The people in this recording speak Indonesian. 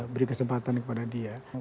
beri kesempatan kepada dia